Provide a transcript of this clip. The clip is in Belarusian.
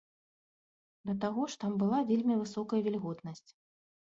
Да таго ж там была вельмі высокая вільготнасць.